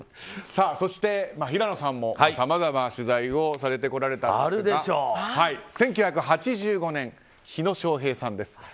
そして、平野さんもさまざま取材をされてこられたんですが１９８５年、火野正平さんです。